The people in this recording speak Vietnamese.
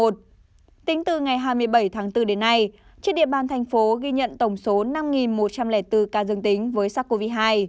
tính từ ngày hai mươi bảy tháng bốn đến nay trên địa bàn thành phố ghi nhận tổng số năm một trăm linh bốn ca dương tính với sars cov hai